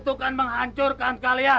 berani mengganggu kesenangan orang